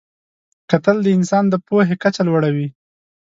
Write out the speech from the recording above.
کتل د انسان د پوهې کچه لوړوي